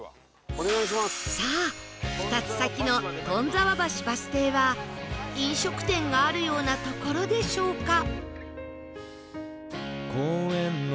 さあ２つ先の富沢橋バス停は飲食店があるような所でしょうか？